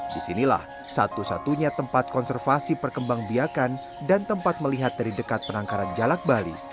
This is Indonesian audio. disinilah satu satunya tempat konservasi perkembang biakan dan tempat melihat dari dekat penangkaran jalak bali